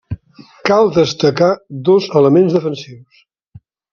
Cal destacar dos elements defensius.